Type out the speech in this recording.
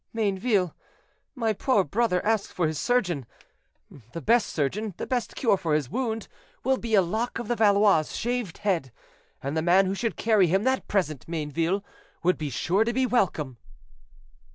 "Mayneville, my poor brother asks for his surgeon; the best surgeon, the best cure for his wound, will be a lock of the Valois's shaved head, and the man who should carry him that present, Mayneville, would be sure to be welcome."